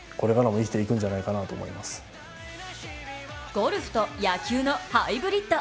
ゴルフと野球のハイブリッド。